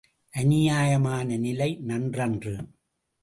அந்நியமான நிலை நன்றன்று.